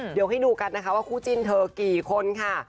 เดี๋ยวให้ดูกันนะคะว่าคู่จิ้นเธอกี่คนค่ะ